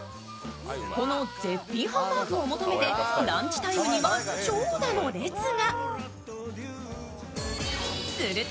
この絶品ハンバーグを求めてランチタイムには長蛇の列が。